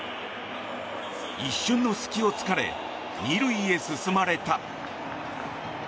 一瞬の隙を突かれ２塁へ進まれた。